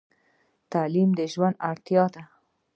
تعلیم د ژوند اړتیا ده.